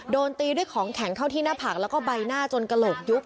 โดนตีด้วยของแข็งเข้าที่หน้าผากแล้วก็ใบหน้าจนกระโหลกยุบ